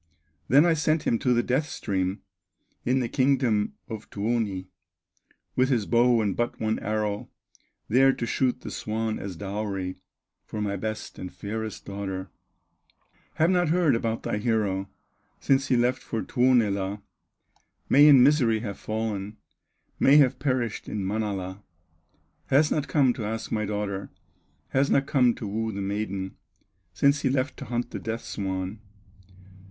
Then I sent him to the Death stream, In the kingdom of Tuoni, With his bow and but one arrow, There to shoot the swan as dowry For my best and fairest daughter; Have not heard about thy hero Since he left for Tuonela; May in misery have fallen, May have perished in Manala; Has not come to ask my daughter, Has not come to woo the maiden, Since he left to hunt the death swan."